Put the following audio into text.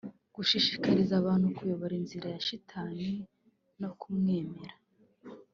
gushishikariza abantu kuyoboka inzira ya shitani no kumwemera